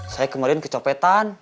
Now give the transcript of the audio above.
saya kemarin kecopetan